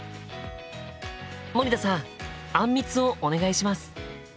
森田さんあんみつをお願いします！